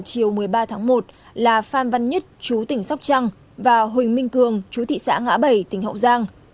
chiều một mươi ba tháng một là phan văn nhất chú tỉnh sóc trăng và huỳnh minh cường chú thị xã ngã bảy tỉnh hậu giang